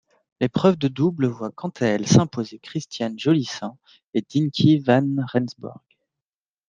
L'épreuve de double voit quant à elle s'imposer Christiane Jolissaint et Dinky Van Rensburg.